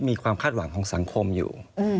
มีความคาดหวังของสังคมอยู่